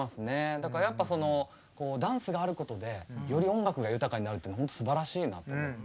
だからやっぱダンスがあることでより音楽が豊かになるというのは本当すばらしいなと思って。